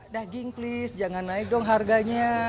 daging please jangan naik dong harganya